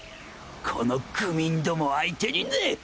この愚民ども相手にねぇ！